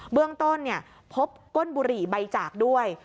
เบื้องต้นพบก้นบุหรี่ใบจากด้วย